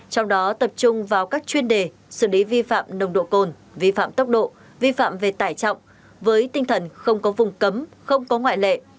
trong đó tập trung vào các chuyên đề xử lý vi phạm nồng độ cồn vi phạm tốc độ vi phạm về tải trọng với tinh thần không có vùng cấm không có ngoại lệ